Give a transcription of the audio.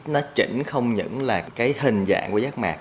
nó chỉnh không những là hình dạng của giác mạc